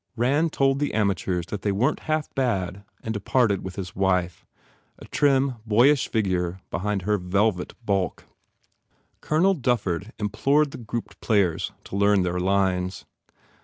Rand told the amateurs that they weren t half bad and departed with his wife, a trim, boyish figure behind her velvet bulk. Colonel Dufford implored the grouped players to learn their lines.